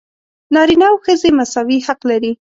نارینه او ښځې مساوي حق لري.